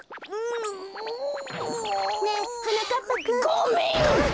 ごめん！